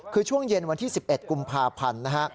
คือช่วงเย็นวันที่๑๑กุมภาพันธ์นะฮะ